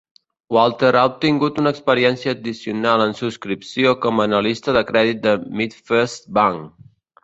Walter ha obtingut una experiència addicional en subscripció com a analista de crèdit al MidFirst Bank.